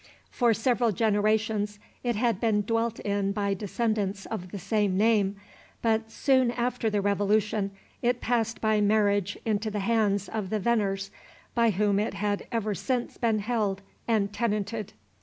For several generations it had been dwelt in by descendants of the same name, but soon after the Revolution it passed by marriage into the hands of the Venners, by whom it had ever since been held and tenanted.